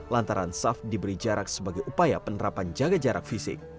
lantaran saf diberi jarak sebagai upaya penerapan jaga jarak fisik